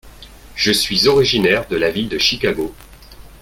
Je suis originaire de la ville de Chicago.